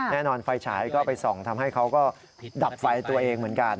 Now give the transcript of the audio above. ไฟฉายก็ไปส่องทำให้เขาก็ดับไฟตัวเองเหมือนกัน